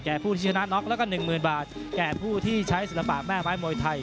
ผู้ที่ชนะน็อกแล้วก็๑๐๐๐บาทแก่ผู้ที่ใช้ศิลปะแม่ไม้มวยไทย